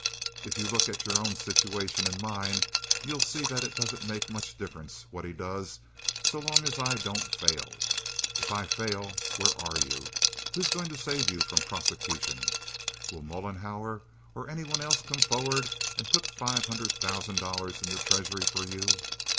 If you look at your own situation and mine, you'll see that it doesn't make much difference what he does, so long as I don't fail. If I fail, where are you? Who's going to save you from prosecution? Will Mollenhauer or any one else come forward and put five hundred thousand dollars in the treasury for you?